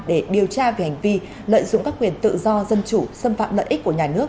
để điều tra về hành vi lợi dụng các quyền tự do dân chủ xâm phạm lợi ích của nhà nước